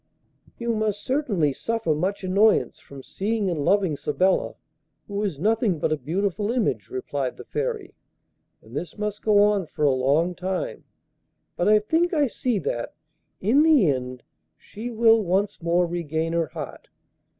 'You must certainly suffer much annoyance from seeing and loving Sabella, who is nothing but a beautiful image,' replied the Fairy, 'and this must go on for a long time; but I think I see that, in the end, she will once more regain her heart.